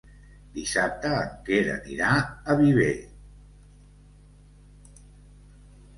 Dissabte en Quer anirà a Viver.